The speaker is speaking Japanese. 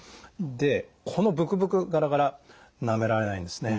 でこのブクブクガラガラなめられないんですね。